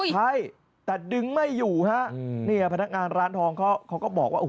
ใช่แต่ดึงไม่อยู่พนักงานร้านทองเขาก็บอกว่า